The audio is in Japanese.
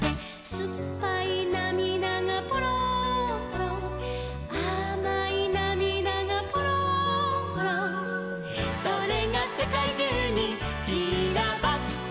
「すっぱいなみだがぽろんぽろん」「あまいなみだがぽろんぽろん」「それがせかいじゅうにちらばって」